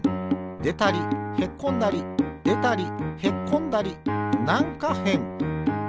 でたりへっこんだりでたりへっこんだりなんかへん。